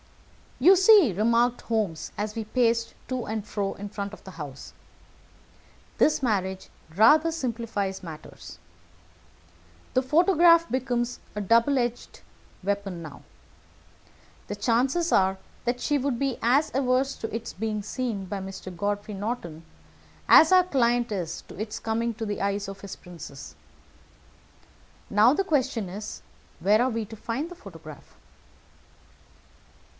"You see," remarked Holmes, as we paced to and fro in front of the house, "this marriage rather simplifies matters. The photograph becomes a double edged weapon now. The chances are that she would be as averse to its being seen by Mr. Godfrey Norton as our client is to its coming to the eyes of his princess. Now the question is where are we to find the photograph?"